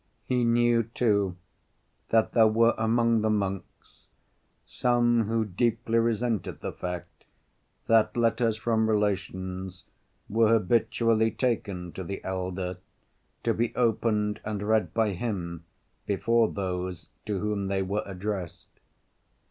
He knew, too, that there were among the monks some who deeply resented the fact that letters from relations were habitually taken to the elder, to be opened and read by him before those to whom they were addressed.